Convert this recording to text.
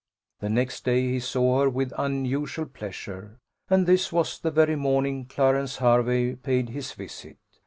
The next day he saw her with unusual pleasure, and this was the very morning Clarence Hervey paid his visit.